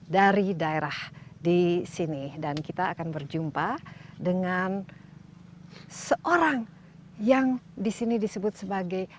dari daerah di sini dan kita akan berjumpa dengan seorang yang disini disebut sebagai